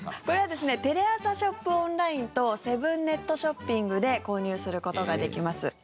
これはテレアサショップＯＮＬＩＮＥとセブンネットショッピングで購入することができます。